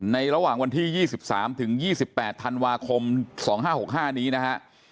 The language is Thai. ในระหว่างวันที่๒๓๒๘ธันวาคม๒๕๖๕นี้นะครับ